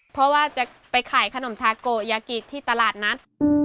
เพราะว่าจะไปขายขนมทาโกยากิที่ตลาดนัด